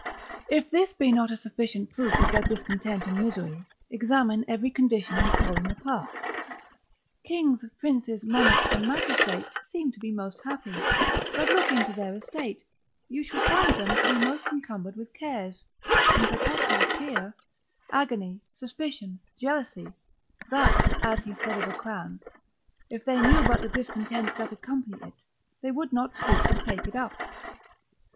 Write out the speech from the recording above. If this be not a sufficient proof of their discontent and misery, examine every condition and calling apart. Kings, princes, monarchs, and magistrates seem to be most happy, but look into their estate, you shall find them to be most encumbered with cares, in perpetual fear, agony, suspicion, jealousy: that, as he said of a crown, if they knew but the discontents that accompany it, they would not stoop to take it up.